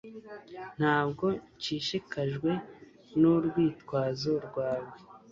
Ntabwo nshishikajwe nurwitwazo rwawe